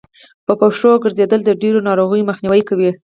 په پښو ګرځېدل د ډېرو ناروغيو مخنیوی کوي